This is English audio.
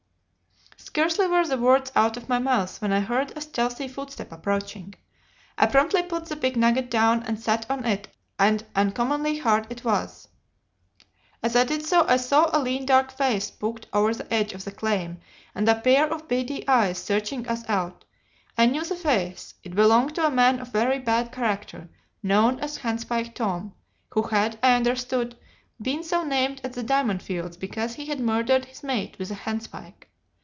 "Scarcely were the words out of my mouth when I heard a stealthy footstep approaching. I promptly put the big nugget down and sat on it, and uncommonly hard it was. As I did so I saw a lean dark face poked over the edge of the claim and a pair of beady eyes searching us out. I knew the face, it belonged to a man of very bad character known as Handspike Tom, who had, I understood, been so named at the Diamond Fields because he had murdered his mate with a handspike.